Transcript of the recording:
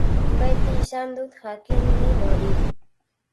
Beti izan dut jakin-min hori.